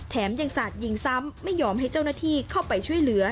ยังสาดยิงซ้ำไม่ยอมให้เจ้าหน้าที่เข้าไปช่วยเหลือ